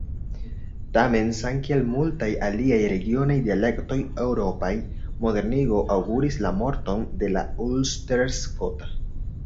Tamen, samkiel multaj aliaj regionaj dialektoj eŭropaj, modernigo aŭguris la morton de la ulsterskota.